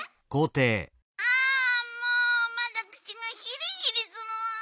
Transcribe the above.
あもうまだくちがヒリヒリするわ。